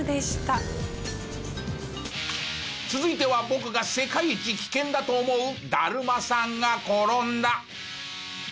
続いては僕が世界一危険だと思うだるまさんが転んだ。